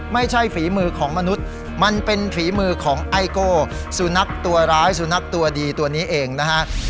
ฝีมือของมนุษย์มันเป็นฝีมือของไอโก้สุนัขตัวร้ายสุนัขตัวดีตัวนี้เองนะฮะ